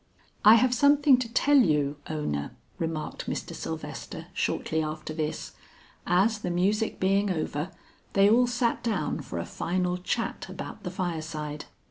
"I have something to tell you, Ona," remarked Mr. Sylvester shortly after this, as the music being over, they all sat down for a final chat about the fireside.